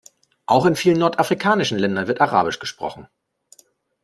Auch in vielen nordafrikanischen Ländern wird arabisch gesprochen.